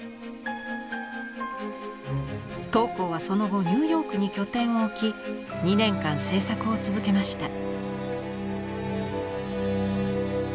桃紅はその後ニューヨークに拠点を置き２年間制作を続けました。